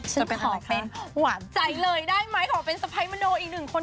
จะเป็นอะไรคะจะเป็นหวานใจเลยได้ไหมขอเป็นสะพายมะโนอีกหนึ่งคน